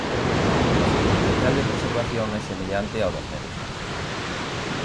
O seu potencial de preservación é semellante ao das medusas.